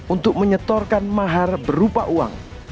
untuk menyetorkan mahar berupa uang